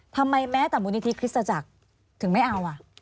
ทำไมแม้ต่อบุญธิพิษฐจักรถึงไม่เอา